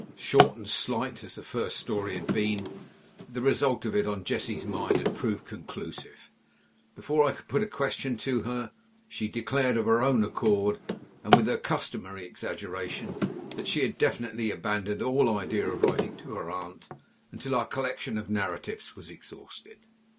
Short and slight as the first story had been, the result of it on Jessie's mind had proved conclusive. Before I could put the question to her, she declared of her own accord, and with her customary exaggeration, that she had definitely abandoned all idea of writing to her aunt until our collection of narratives was exhausted.